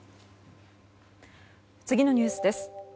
次のニュースです。